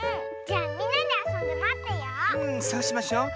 じゃみんなであそんでまってよう。